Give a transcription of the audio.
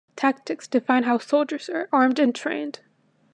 Tactics define how soldiers are armed and trained.